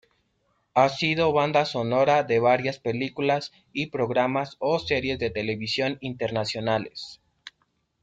Ha sido banda sonora de varias películas y programas o series de televisión internacionales.